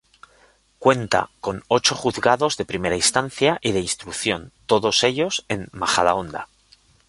Cuenta con ocho juzgados de Primera Instancia y de Instrucción, todos ellos en Majadahonda.